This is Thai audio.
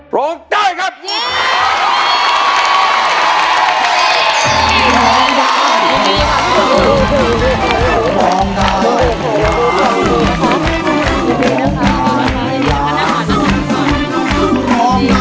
ร้องได้ครับ